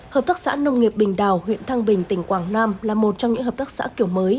hợp tác xã nông nghiệp bình đào huyện thăng bình tỉnh quảng nam là một trong những hợp tác xã kiểu mới